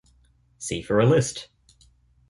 See for a list.